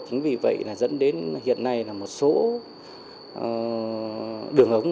chính vì vậy là dẫn đến hiện nay là một số đường ống